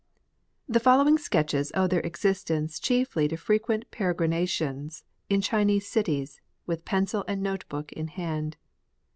The following Sketches owe their existence chiefly to frequent peregrinations in Chinese cities, with pencil and note book in hand.